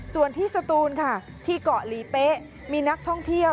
ส่วนที่สตูนค่ะที่เกาะหลีเป๊ะมีนักท่องเที่ยว